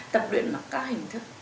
tập luyện mặc các hình thức